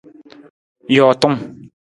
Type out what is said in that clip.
Jootung.